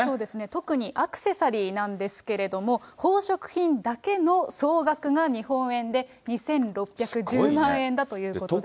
特にアクセサリーなんですけれども、宝飾品だけの総額が日本円で２６１０万円だということです。